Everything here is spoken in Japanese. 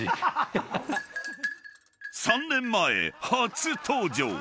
・［３年前初登場］